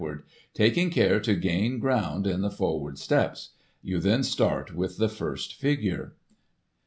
ward, taking ceire to gain ground in the forward steps ; you then start with the first figure.